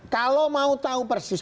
kalau mau tahu persis